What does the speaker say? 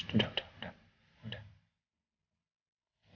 udah udah udah